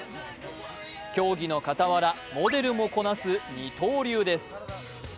競技のかたわら、モデルもこなす二刀流です。